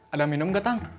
ada minum enggak tang